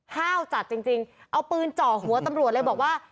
ห้าวจัดจริงเอาปืนเจาะหัวตำรวจเลยบอกว่า